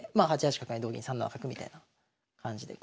８八角成同銀３七角みたいな感じで。